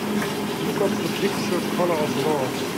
Look up the picture, Colour of Love.